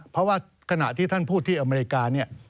เพราะว่าขณะที่ท่านพูดที่อเมริกาเนี่ย